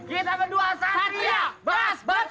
kita berdua satria bas betot